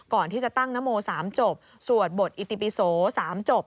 ก่อนที่จะตั้งนโม๓จบสวดบทอิติปิโส๓จบ